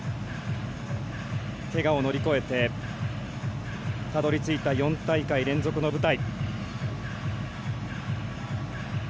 けがを乗り越えてたどりついた４大会連続の舞台。